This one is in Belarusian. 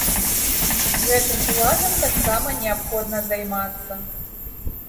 Гэтым уладам таксама неабходна займацца.